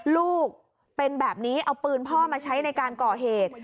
ลูกเป็นแบบนี้เอาปืนพ่อมาใช้ในการก่อเหตุ